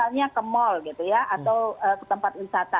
misalnya ke mall gitu ya atau ke tempat wisata